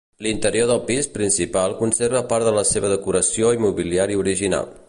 L'interior del pis principal conserva part de la seva decoració i mobiliari original.